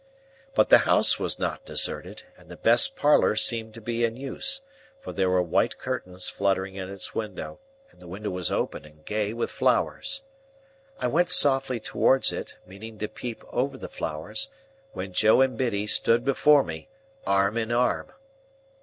But the house was not deserted, and the best parlour seemed to be in use, for there were white curtains fluttering in its window, and the window was open and gay with flowers. I went softly towards it, meaning to peep over the flowers, when Joe and Biddy stood before me, arm in arm.